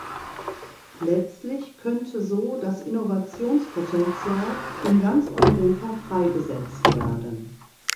Letztlich könnte so das Innovationspotenzial in ganz Europa freigesetzt werden.